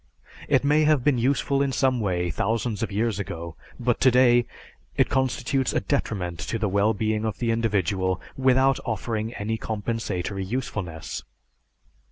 It may have been useful in some way thousands of years ago, but today it constitutes a detriment to the well being of the individual without offering any compensatory usefulness.